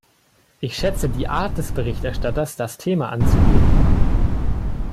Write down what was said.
Ich schätze die Art des Berichterstatters, das Thema anzugehen.